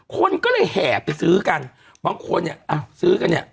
คนก็เลยแห่ไปซื้อกันบางคนเนี่ยอ้าวซื้อกันเนี่ย